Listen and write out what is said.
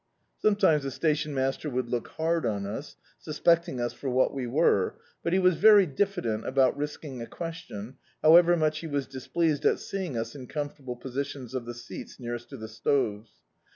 Sometimes a station master would look hard on us, suspecting us for what we were, but he was very diffident about risking a question, however much he was displeased at seeing us in comfortable possession of the seats nearest to the stoves.